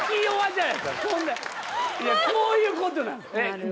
こういうことなんですえっ